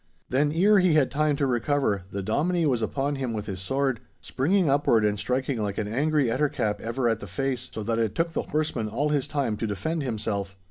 Then, ere he had time to recover, the Dominie was upon him with his sword, springing upward and striking like an angry etter cap ever at the face, so that it took the horseman all his time to defend himself.